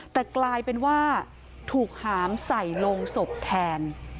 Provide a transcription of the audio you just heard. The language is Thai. แต่กลายเป็นว่าถูกหามใส่ลงศพแทน